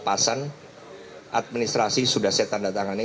lepasan administrasi sudah saya tanda tangani